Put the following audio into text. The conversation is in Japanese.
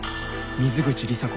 「水口里紗子」。